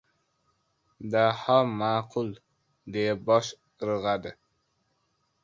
Daho ma’qul, deya bosh irg‘adi.